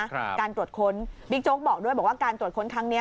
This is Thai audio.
การตรวจค้นบิ๊กโจ๊กบอกด้วยบอกว่าการตรวจค้นครั้งนี้